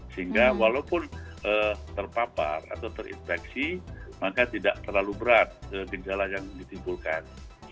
sehingga walaupun terpapar atau terinfeksi maka tidak terlalu berat gejala yang ditimbulkan